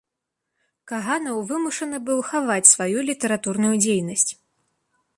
Каганаў вымушаны быў хаваць сваю літаратурную дзейнасць.